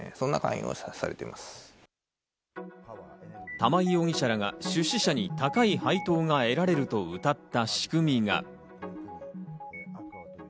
玉井容疑者らが出資者に高い配当が得られるとうたった仕組みが。